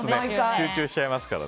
集中しちゃいますから。